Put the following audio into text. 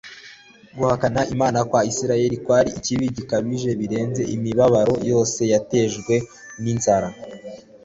Guhakana Imana kwa Isirayeli kwari ikibi gikabije birenze imibabaro yose yatejwe ninzara